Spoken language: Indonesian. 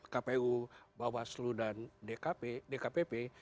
kpu bawaslu dan dkpp